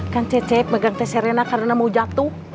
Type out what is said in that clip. kan cecep megang tes serena karena mau jatuh